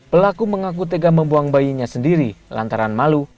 pelaku mengaku tega membuang bayinya sendiri lantaran malu